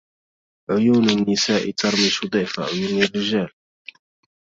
عيون النساء ترمش ضعف عيون الرجال.